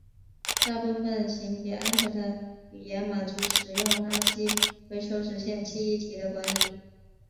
大部分型别安全的语言满足使用垃圾回收实现记忆体的管理。